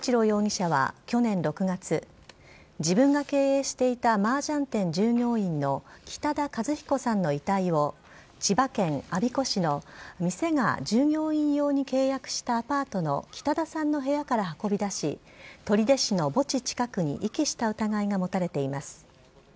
容疑者は去年６月、自分が経営していたマージャン店従業員の北田和彦さんの遺体を千葉県我孫子市の店が従業員用に契約したアパートの北田さんの部屋から運び出し、取手市の墓地近くに遺棄した疑いが持たれています。